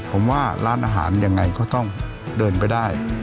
ผมว่าร้านอาหารยังไงก็ต้องเดินไปได้